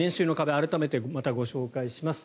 改めてまたご紹介します。